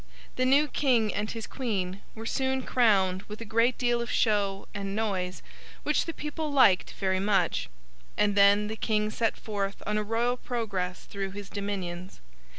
The new King and his Queen were soon crowned with a great deal of show and noise, which the people liked very much; and then the King set forth on a royal progress through his dominions.